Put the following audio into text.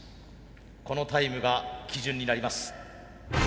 このタイムが基準になります。